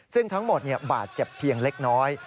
ซึ่งทั้งหมดบาดเจ็บเพียงเล็กน้อย